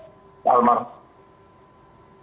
saya dari rumah pak guli